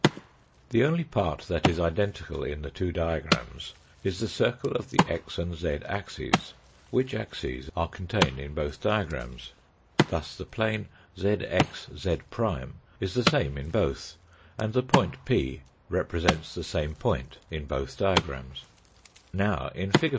The only part that is identical in the two diagrams is the circle of the x and z axes, which axes are contained in both diagrams. Thus the plane zxz' is the same in both, and the point p represents the same point in both 222 ME FOURTH diagrams. Now, in fig.